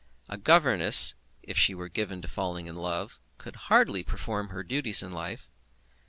A governess, if she were given to falling in love, could hardly perform her duties in life.